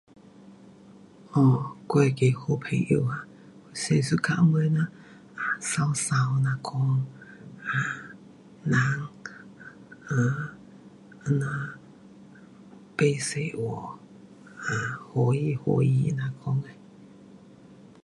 um 我那个好朋友啊，我是 suka 有的人那美美这样讲 um 人 um 这样不多话 um 开心开心那讲也。